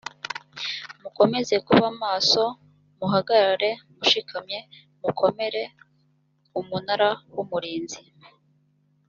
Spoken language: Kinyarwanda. mukomeze kuba maso muhagarare mushikamye mukomere umunara w umurinzi